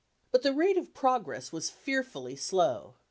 But the rate of progress was fearfully slow.